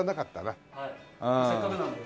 せっかくなので。